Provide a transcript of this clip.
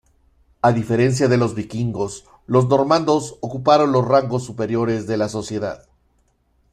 A diferencia de los vikingos, los normandos ocuparon los rangos superiores de la sociedad.